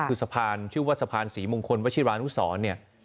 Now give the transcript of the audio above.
คือสะพานชื่อว่าสะพานศรีมงคลวชิรานุสรเนี่ย